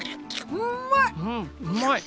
うまい！